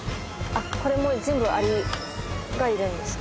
「これもう全部アリがいるんですか？」